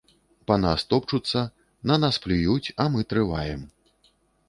Па нас топчуцца, на нас плююць, а мы трываем.